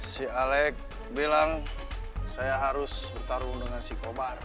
si alec bilang saya harus bertarung dengan si kobar